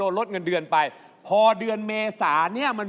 เพราะว่ารายการหาคู่ของเราเป็นรายการแรกนะครับ